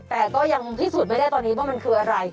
แต่ก็ยังพิสูจน์ไม่ได้ตอนนี้ว่ามันคืออะไร